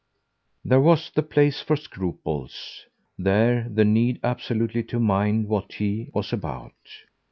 THERE was the place for scruples; there the need absolutely to mind what he was about.